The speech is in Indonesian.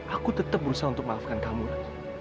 aku tetap berusaha untuk maafkan kamu lah